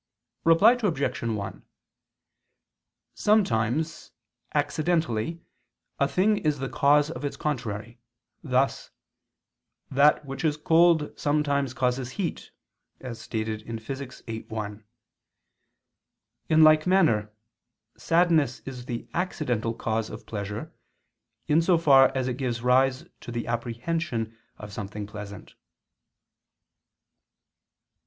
Reply Obj. 1: Sometimes accidentally a thing is the cause of its contrary: thus "that which is cold sometimes causes heat," as stated in Phys. viii, 1. In like manner sadness is the accidental cause of pleasure, in so far as it gives rise to the apprehension of something pleasant.